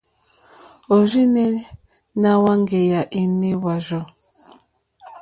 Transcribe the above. Òrzìɲɛ́ ná hwáŋɡèyà énè hwàrzù.